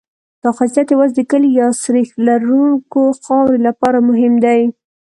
دا خاصیت یوازې د کلې یا سریښ لرونکې خاورې لپاره مهم دی